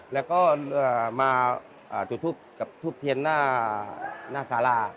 แล้วก็มาจุทุกเทียนหน้าสารา